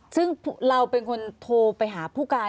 ซึ่งเราเป็นคนโทรไปหาผู้การ